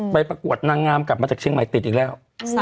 ประกวดนางงามกลับมาจากเชียงใหม่ติดอีกแล้ว